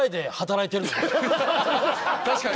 確かに。